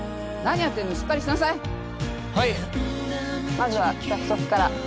まずは脚側から。